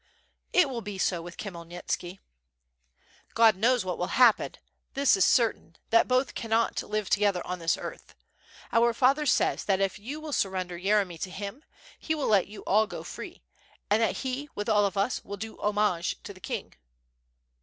"It will be so with Khmyelnitski." "God knows what will happen. This is certain, that both cannot live together on this earth. Our father says that if you will surrender Yeremy to him, he will let you all go free, and that he with all of us will do homage to the king."